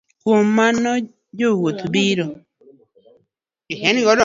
Kuom mano jowuoth biro